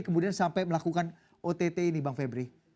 kemudian sampai melakukan ott ini bang febri